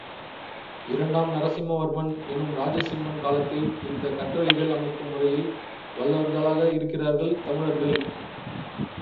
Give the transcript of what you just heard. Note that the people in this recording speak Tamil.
இரண்டாம் நரசிம்மவர்மன் என்னும் ராஜசிம்மன் காலத்தில் இந்தக் கற்றளிகள் அமைக்கும் முறையில் வல்லவர்களாக இருக்கிருக்கிறார்கள் தமிழர்கள்.